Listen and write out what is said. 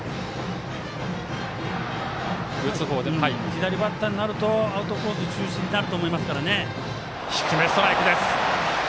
左バッターになるとアウトコース中心になると思いますからね。